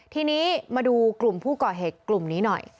ทีนี้มาดูกลุ่มผู้ก่อเหตุกลุ่มนี้หน่อย